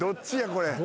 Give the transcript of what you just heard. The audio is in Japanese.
これ。